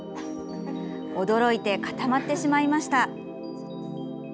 驚いて固まってしまいました。